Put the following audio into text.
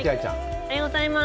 おはようございます。